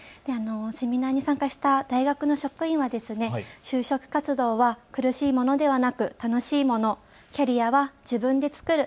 セミナーに参加した大学の職員は就職活動は苦しいものではなく楽しいもの、キャリアは自分で作る。